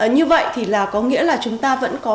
như vậy có nghĩa là chúng ta vẫn có